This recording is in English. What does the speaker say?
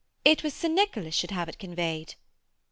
'It was Sir Nicholas should have it conveyed.'